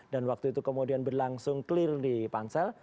dan waktu itu kemudian berlangsung clear di pansel